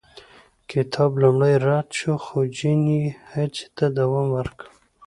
کتاب لومړی رد شو، خو جین یې هڅې ته دوام ورکړ.